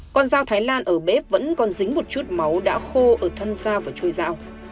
con dao thái lan ở bếp vẫn còn dính một chút máu đã khô ở thân dao và chuôi dao